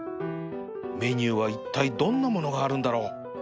メニューはいったいどんなものがあるんだろう？